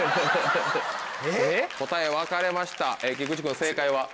答え分かれました菊池君正解は？